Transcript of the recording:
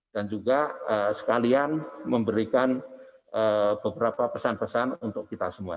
juga sekalian memberikan beberapa pesan pesan untuk kita semua